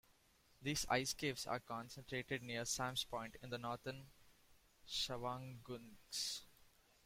These ice caves are concentrated near Sam's Point in the northern Shawangunks.